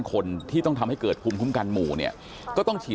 คนที่ต้องทำให้เกิดภูมิคุ้มกันหมู่เนี่ยก็ต้องฉีด